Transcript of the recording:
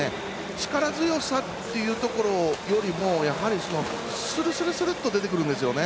力強さというところよりもやはりスルスルスルッと出てくるんですよね。